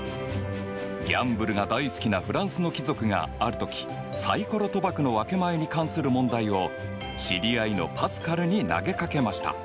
ギャンブルが大好きなフランスの貴族がある時サイコロ賭博の分け前に関する問題を知り合いのパスカルに投げかけました。